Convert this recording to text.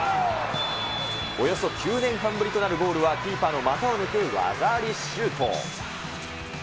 およそ９年半ぶりとなるゴールはキーパーの股を抜く技ありシュート。